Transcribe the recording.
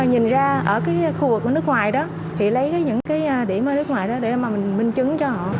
thì mình cũng nhìn ra ở cái khu vực nước ngoài đó thì lấy những cái điểm ở nước ngoài đó để mà mình minh chứng cho họ